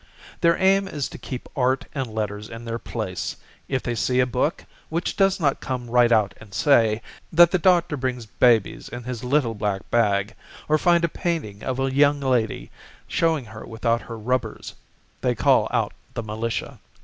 Their aim is to keep art and letters in their place; If they see a book Which does not come right out and say That the doctor brings babies in his little black bag, Or find a painting of a young lady Showing her without her rubbers, They call out the militia.